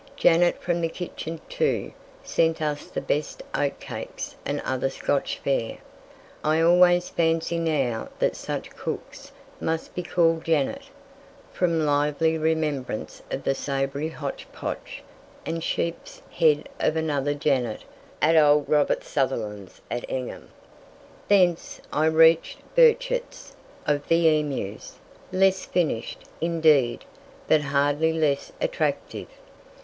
Janet, from the kitchen, too, sent us the best oatcakes and other Scotch fare. I always fancy now that such cooks must be called Janet, from lively remembrance of the savoury hotch potch and sheeps' head of another Janet at old Robert Sutherland's, at Egham. Thence I reached "Burchetts', of the Emus," less finished, indeed, but hardly less attractive.